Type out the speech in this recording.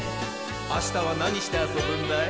あしたはなにしてあそぶんだい？